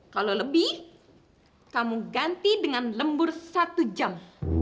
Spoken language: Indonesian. kalau lebih kamu ganti dengan lembur satu jam